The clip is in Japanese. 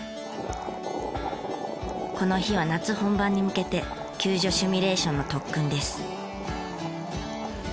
この日は夏本番に向けて救助シミュレーションの特訓です。